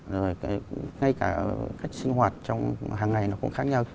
rồi ngay cả cách sinh hoạt trong hàng ngày nó cũng khác nhau